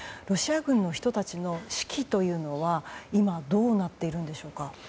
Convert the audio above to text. ロシア軍の人たちの士気というのは今、どうなっているのでしょうか。